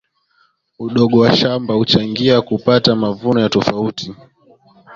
udogo wa shamba huchangia kupata mavuno ya tofauti